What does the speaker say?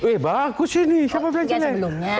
eh bagus ini siapa bilang jelek